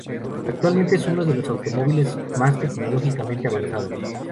Actualmente es uno de los automóviles más tecnológicamente avanzados.